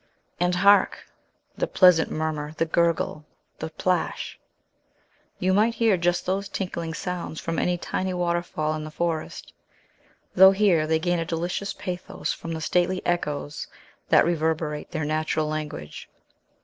And hark, the pleasant murmur, the gurgle, the plash! You might hear just those tinkling sounds from any tiny waterfall in the forest, though here they gain a delicious pathos from the stately echoes that reverberate their natural language.